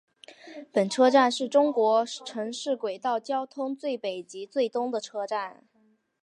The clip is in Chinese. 本车站是中国城市轨道交通最北及最东的车站。